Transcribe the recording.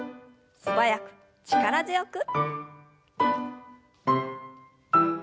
素早く力強く。